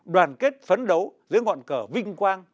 đoàn kết phấn đấu dưới ngọn cờ vinh quang